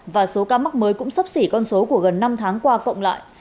và số ca mắc mới cũng sắp xỉ con số của gần năm tháng qua cộng lại